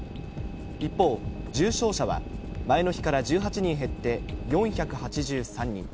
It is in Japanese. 一方、重症者は前の日から１８人減って４８３人。